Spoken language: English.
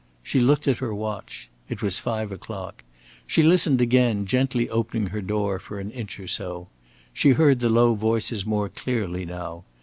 She looked at her watch. It was five o'clock. She listened again, gently opening her door for an inch or so. She heard the low voices more clearly now.